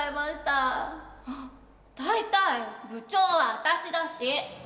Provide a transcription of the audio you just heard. あっ大体部長は私だし。